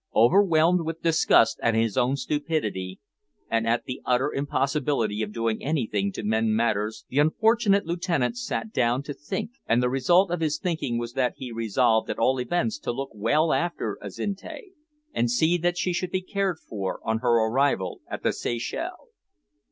Overwhelmed with disgust at his own stupidity, and at the utter impossibility of doing anything to mend matters, the unfortunate Lieutenant sat down to think, and the result of his thinking was that he resolved at all events to look well after Azinte, and see that she should be cared for on her arrival at the Seychelles.